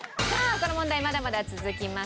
この問題まだまだ続きます。